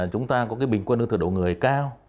chúng ta có cái bình quân lương thực độ người cao